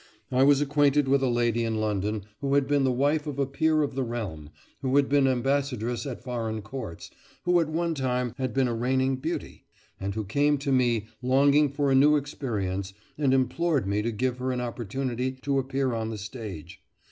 I was acquainted with a lady in London who had been the wife of a peer of the realm, who had been ambassadress at foreign courts, who at one time had been a reigning beauty, and who came to me, longing for a new experience, and implored me to give her an opportunity to appear upon the stage.